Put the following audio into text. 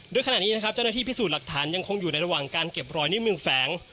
โดยขณะนี้นะครับเจ้าหน้าที่พิสูจน์หลักฐานยังคงอยู่ในระหว่างการเก็บรอยนิ้วมือแฝง